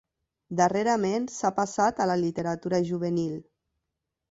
Darrerament s'ha passat a la literatura juvenil.